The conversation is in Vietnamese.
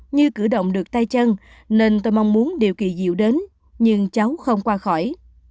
như cử động được tay chân nên tôi mong muốn điều kỳ diệu đến nhưng cháu không qua khỏi